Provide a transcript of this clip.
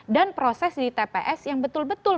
dan proses di tps yang betul betul